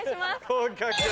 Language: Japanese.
合格。